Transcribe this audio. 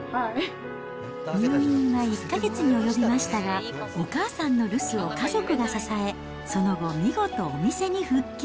入院は１か月に及びましたが、お母さんの留守を家族が支え、その後、見事お店に復帰。